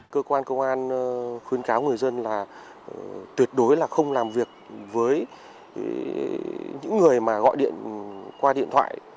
cơ quan công an khuyến cáo người dân là tuyệt đối là không làm việc với những người mà gọi điện qua điện thoại